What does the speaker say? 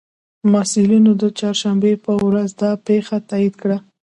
مسئولینو د چهارشنبې په ورځ دا پېښه تائید کړه